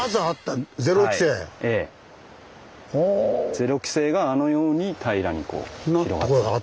０期生があのように平らにこう広がってた。